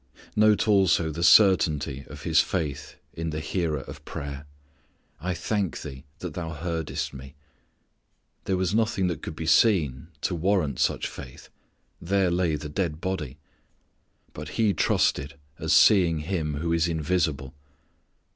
Note also the certainty of His faith in the Hearer of prayer: "I thank Thee that Thou heardest Me." There was nothing that could be seen to warrant such faith. There lay the dead body. But He trusted as seeing Him who is invisible.